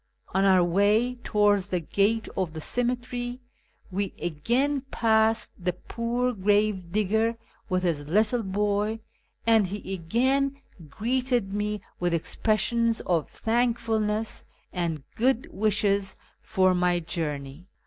On our way towards the gate of the cemetery we again passed the poor gravedigger with his little boy, and he again greeted me with expressions of thankfulness and good wishes for my journey.